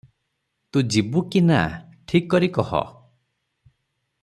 ତୁ ଯିବୁ କି ନାଁ, ଠିକ୍ କରି କହ ।